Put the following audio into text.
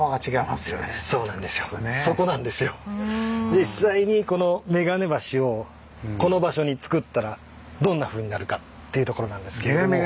実際にこの眼鏡橋をこの場所につくったらどんなふうになるかっていうところなんですけれども。